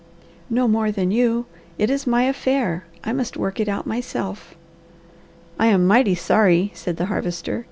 "No more than you. It is my affair; I must work it out myself." "I am mighty sorry," said the Harvester.